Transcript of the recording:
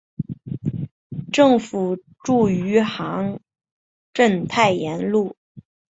政府驻余杭镇太炎路。